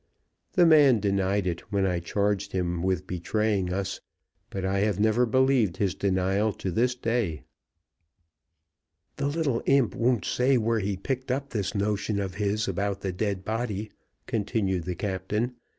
The man denied it when I charged him with betraying us, but I have never believed his denial to this day. "The little imp won't say where he picked up this notion of his about the dead body," continued the captain.